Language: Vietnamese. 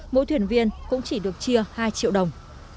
mỗi thuyền viên cũng chỉ được chia hai triệu đồng